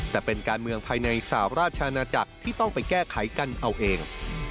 แต่เป็นการเมืองภายในสหราชอาณาจักรที่ต้องไปแก้ไขกันเอาเอง